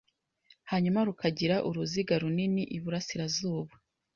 hanyuma rukagira uruziga runini iburasirazuba